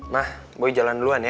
mah gue jalan duluan ya